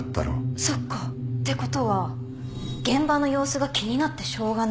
そっか。ってことは現場の様子が気になってしょうがない。